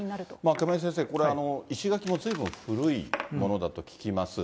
亀井先生、これ、石垣もずいぶん古いものだと聞きます。